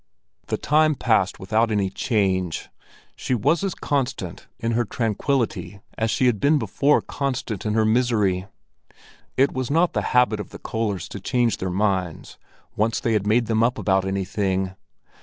The time passed without any change; she was as constant in her tranquillity as she had before been constant in her misery. It was not the habit of the Köllers to change their minds once they had made them up about anything.